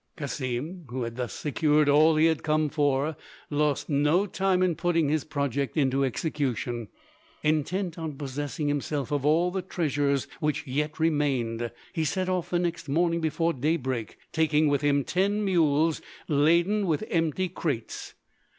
Cassim, who had thus secured all he had come for, lost no time in putting his project into execution. Intent on possessing himself of all the treasures which yet remained, he set off the next morning before daybreak, taking with him ten mules laden with empty crates.